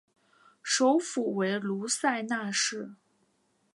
首府为卢塞纳市。